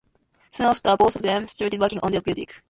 Soon after, both of them started working on their music.